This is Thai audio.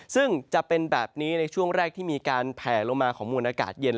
ซึ่งจะเป็นแบบนี้ในช่วงแรกที่มีการแผลลงมาของมวลอากาศเย็น